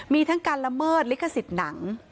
มีทั้งการละเมิดลิขสิทธิ์หนัง